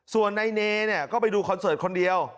ส่วนนายเนก็ไปดูคอนเสิร์ตคนเดียว